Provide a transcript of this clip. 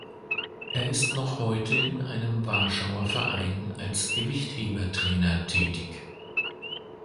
Er ist noch heute in einem Warschauer Verein als Gewichtheber-Trainer tätig.